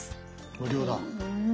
無料だ。